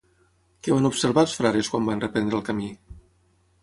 Què van observar els frares quan van reprendre el camí?